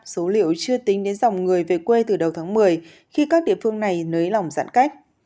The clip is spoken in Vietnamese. số liệu chưa tính đến dòng người về quê từ đầu tháng một mươi khi các địa phương này nới lỏng giãn cách